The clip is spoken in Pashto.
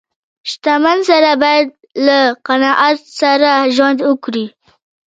• شتمن سړی باید له قناعت سره ژوند وکړي.